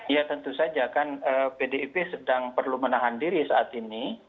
ya tentu saja kan pdip sedang perlu menahan diri saat ini